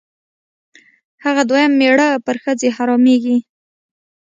هغه دویم مېړه پر ښځې حرامېږي.